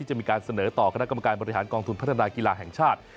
จะมีการเสนอต่อคณะกรรมการบริหารกองทุนพัฒนากีฬาแห่งชาติ